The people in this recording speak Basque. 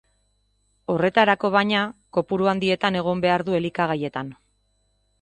Horretarako, baina, kopuru handietan egon behar du elikagaietan.